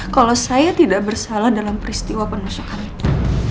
kalau saya tidak bersalah dalam peristiwa penusukan itu